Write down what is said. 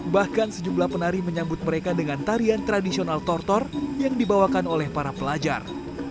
bahkan sejumlah penari menyambut mereka dengan tarian tradisional tortor yang dibawakan oleh para pelajar